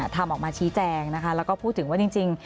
ทำออกมาชี้แจงนะคะแล้วก็พูดถึงว่าจริง